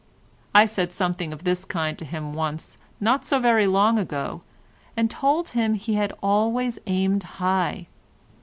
I said something of this kind to him once not so very long ago, and told him he had always aimed high.